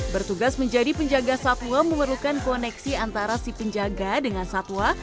bertugas menjadi penjaga satwa memerlukan koneksi antara si penjaga dengan satwa